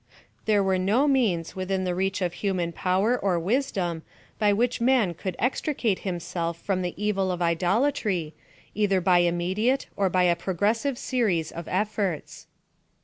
There tvere no means within the reach of human poiver or wisdom, ly which man could extricate himself from the evil of idolatry, either iy an im mediate, or by a progressive series of efforts.